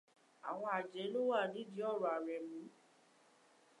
Àwọn àjẹ́ ló wà nídí ọ̀rọ̀ Àrẹ̀mú.